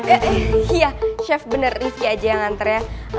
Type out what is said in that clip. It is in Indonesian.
eh eh iya chef bener rifki aja yang ngantar ya